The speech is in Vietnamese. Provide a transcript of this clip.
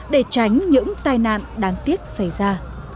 để tránh những tai nạn đáng tiếc xảy ra